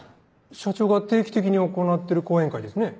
社長が定期的に行ってる講演会ですね。